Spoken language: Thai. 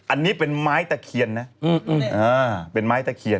อันนี้เป็นไม้ตะเคียนนะเป็นไม้ตะเคียน